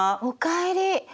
おかえり。